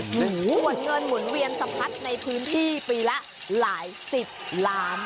ส่วนเงินหมุนเวียนสะพัดในพื้นที่ปีละหลายสิบล้าน